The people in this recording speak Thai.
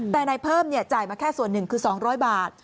แต่นายเพิ่มจ่ายมาแค่ส่วนหนึ่งคือ๒๐๐บาท